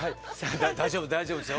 大丈夫大丈夫ですよ。